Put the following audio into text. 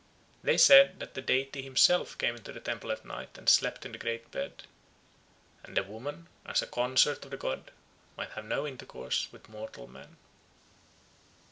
They said that the deity himself came into the temple at night and slept in the great bed; and the woman, as a consort of the god, might have no intercourse with mortal man.